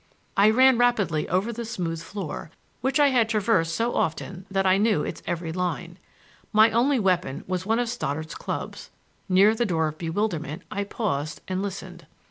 I ran rapidly over the smooth floor, which I had traversed so often that I knew its every line. My only weapon was one of Stoddard's clubs. Near the Door of Bewilderment I paused and listened.